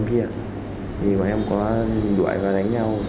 thì em có gặp nhóm kia